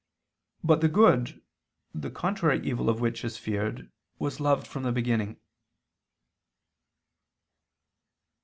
But the good, the contrary evil of which is feared, was loved from the beginning.